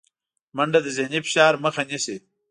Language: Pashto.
منډه د ذهني فشار مخه نیسي